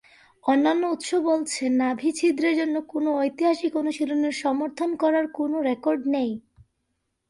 অন্যান্য উৎস বলছে নাভি ছিদ্রের জন্য কোনও ঐতিহাসিক অনুশীলনের সমর্থন করার কোনও রেকর্ড নেই।